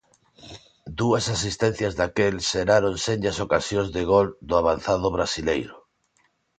Dúas asistencias daquel xeraron senllas ocasións de gol do avanzado brasileiro.